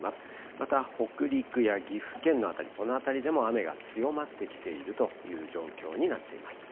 また北陸や岐阜県の辺り、この辺りでも雨が強まってきているという状況になっています。